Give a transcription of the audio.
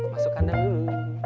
masuk kandang dulu